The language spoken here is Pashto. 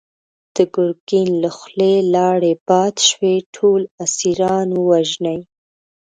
د ګرګين له خولې لاړې باد شوې! ټول اسيران ووژنی!